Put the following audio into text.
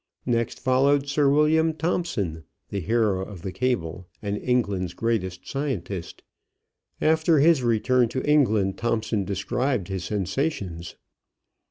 Next followed Sir William Thomson, the hero of the cable and England's greatest scientist. After his return to England Thomson described his sensations.